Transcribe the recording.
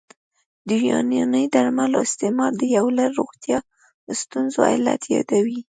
د یوناني درملو استعمال د یو لړ روغتیايي ستونزو علت یادوي